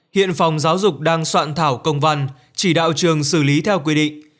hiện phòng giáo dục đang soạn thảo công văn chỉ đạo trường xử lý theo quy định